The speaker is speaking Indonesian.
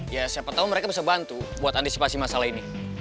ya siapa tahu mereka bisa bantu buat antisipasi masalah ini